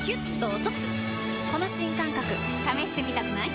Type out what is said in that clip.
この新感覚試してみたくない？